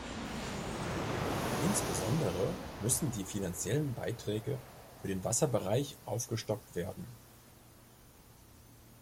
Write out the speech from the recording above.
Insbesondere müssen die finanziellen Beiträge für den Wasserbereich aufgestockt werden.